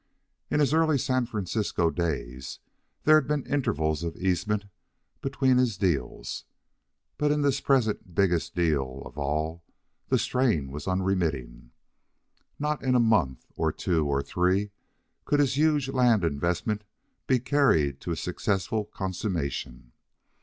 In his early San Francisco days, there had been intervals of easement between his deals, but in this present biggest deal of all the strain was unremitting. Not in a month, or two, or three, could his huge land investment be carried to a successful consummation.